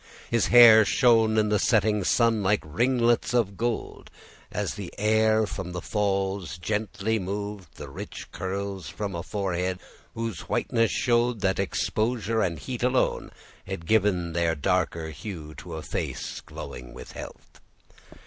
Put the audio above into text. His hair shone in the setting sun like ringlets of gold, as the air from the falls gently moved the rich curls from a forehead whose whiteness showed that exposure and heat alone had given their darker hue to a face glowing with health.